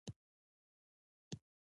د پانګې اچونې لپاره سپما نه شي کولی.